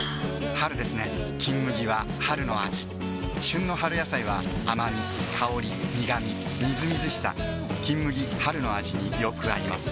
春ですね「金麦」は春の味旬の春野菜は甘み香り苦みみずみずしさ「金麦」春の味によく合います